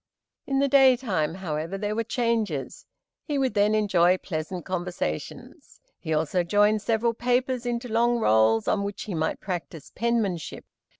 In the daytime, however, there were changes. He would then enjoy pleasant conversations. He also joined several papers into long rolls on which he might practise penmanship.